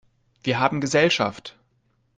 Wir haben Gesellschaft!